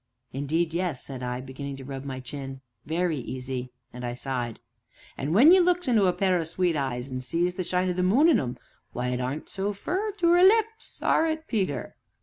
"Indeed, yes," said I, beginning to rub my chin, "very easy!" and I sighed. "An' when you looks into a pair o' sweet eyes, an' sees the shine o' the moon in 'em why, it aren't so very fur to 'er lips, are it, Peter?